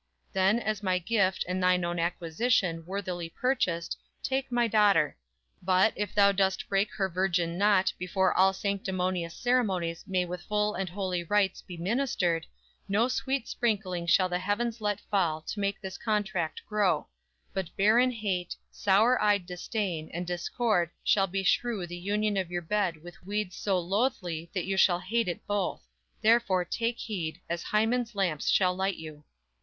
Then, as my gift, and thine own acquisition, Worthily purchased, take my daughter; But If thou dost break her virgin knot before All sanctimonious ceremonies may With full and holy rites be ministered, No sweet sprinkling shall the heavens let fall To make this contract grow; but barren hate, Sour eyed disdain, and discord, shall beshrew The union of your bed with weeds so loathly That you shall hate it both; therefore, take heed As Hymen's lamps shall light you!